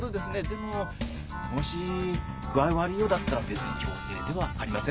でももし具合悪いようだったら別に強制ではありませんので。